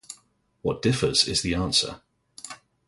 What differs is the answer.